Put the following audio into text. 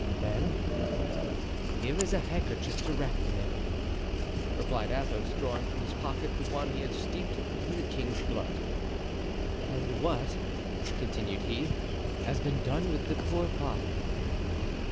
"Then here is a handkerchief to wrap them in," replied Athos, drawing from his pocket the one he had steeped in the king's blood. "And what," he continued, "has been done with the poor body?"